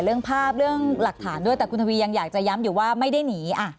เรื่องภาพเรื่องหลักฐานด้วยแต่คุณทวียังอยากจะย้ำอยู่ว่าไม่ได้หนี